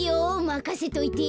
まかせといて。